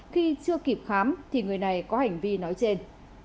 khi chưa kịp khám thì người này có hành vi nói trên